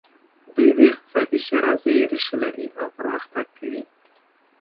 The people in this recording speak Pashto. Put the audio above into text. دوی د اقتصادي ښېرازۍ ریښه لري او پرمختګ کوي.